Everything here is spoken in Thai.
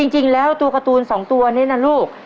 จริงแล้วตัวการ์ตูน๒ตัวนี้นะลูก